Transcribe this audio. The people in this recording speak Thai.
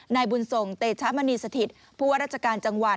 นายบุญส่งเตชมณีสถิตผู้ว่าราชการจังหวัด